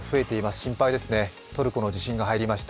心配ですね、トルコの地震が入りました。